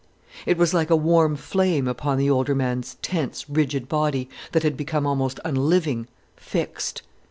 It was like a warm flame upon the older man's tense, rigid body, that had become almost unliving, fixed.